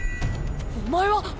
お前は。